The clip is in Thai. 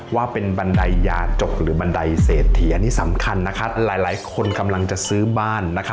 ว่าเป็นบันไดยาจกหรือบันไดเศรษฐีอันนี้สำคัญนะคะหลายคนกำลังจะซื้อบ้าน